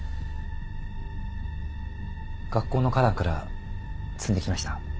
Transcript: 学校の花壇から摘んできました。